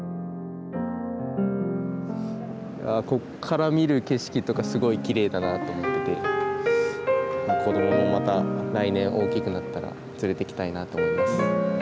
ここから見る景色とかすごいきれいだなと思って子どももまた来年大きくなったら連れて来たいなと思います。